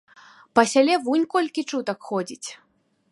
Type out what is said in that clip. Па сяле вунь колькі чутак ходзіць.